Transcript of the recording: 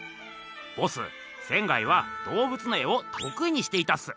ボス仙は動物の絵をとくいにしていたっす。